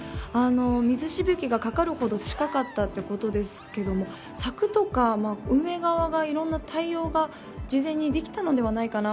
水しぶきがかかるほど近かったということですけれども柵とか、運営側がいろんな対応が事前にできたのではないかな。